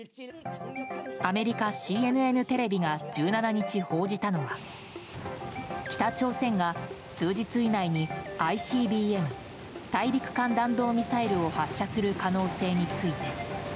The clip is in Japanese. アメリカ、ＣＮＮテレビが１７日報じたのは北朝鮮が数日以内にＩＣＢＭ・大陸間弾道ミサイルを発射する可能性について。